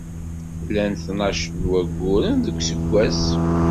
Llan tnac n wayyuren deg useggas.